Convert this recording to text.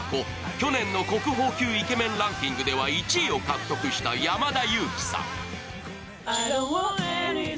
去年の国宝級イケメンランキングでは１位を獲得した山田裕貴さん。